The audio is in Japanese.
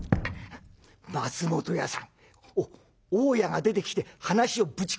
「松本屋さんお大家が出てきて話をぶち壊しました。